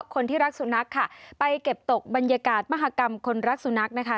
คนที่รักสุนัขค่ะไปเก็บตกบรรยากาศมหากรรมคนรักสุนัขนะคะ